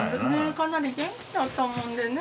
かなり元気だったもんでね。